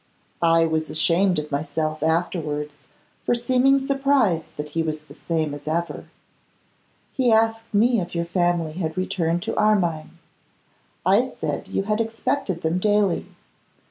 I was ashamed of myself afterwards for seeming surprised that he was the same as ever. He asked me if your family had returned to Armine. I said that you had expected them daily.